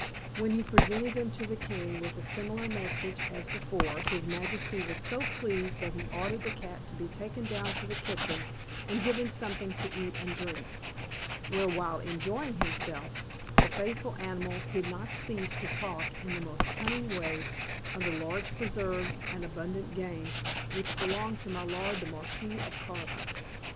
When he presented them to the king, with a similar message as before, his majesty was so pleased that he ordered the cat to be taken down into the kitchen and given something to eat and drink; where, while enjoying himself, the faithful animal did not cease to talk in the most cunning way of the large preserves and abundant game which belonged to my lord the Marquis of Carabas.